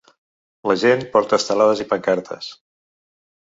La gent porta estelades i pancartes.